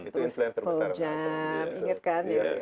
terus pearl jam inget kan